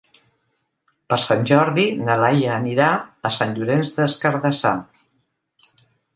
Per Sant Jordi na Laia anirà a Sant Llorenç des Cardassar.